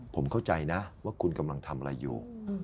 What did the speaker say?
ผมเข้าใจนะว่าคุณกำลังทำอะไรอยู่